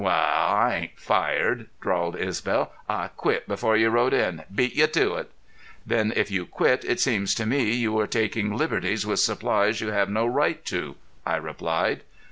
"Wal, I ain't fired," drawled Isbel. "I quit before you rode in. Beat you to it!" "Then if you quit it seems to me you are taking liberties with supplies you have no right to," I replied.